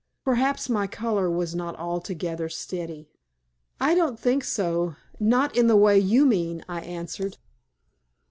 Perhaps my color was not altogether steady. "I don't think so not in the way you mean," I answered.